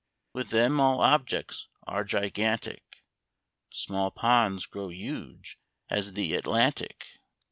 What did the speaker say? With them all objects are gigantic, Small ponds grow huge as the Atlantic.